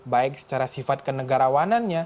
baik secara sifat kenegarawanannya